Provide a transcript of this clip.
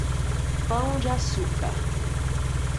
Pão de Açúcar